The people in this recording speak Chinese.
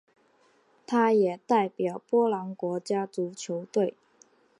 他也代表波兰国家足球队。